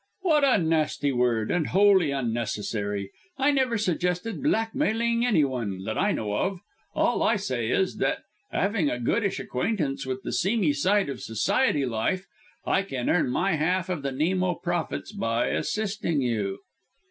"What a nasty word, and wholly unnecessary. I never suggested blackmailing any one, that I know of. All I say is, that, having a goodish acquaintance with the seamy side of Society life, I can earn my half of the Nemo profits by assisting you."